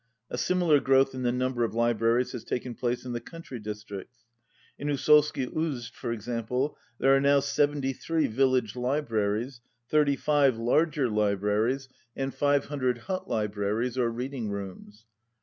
A similar growth in the number of libraries has taken place in the country districts. In Ousolsky ouezd, for example, there are now 73 village libraries, 35 larger libraries and 500 183 hut libraries or reading rooms.